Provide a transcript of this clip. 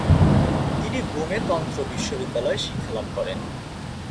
এরপর তিনি গ্যুমে তন্ত্র মহাবিদ্যালয়ে শিক্ষালাভ করেন।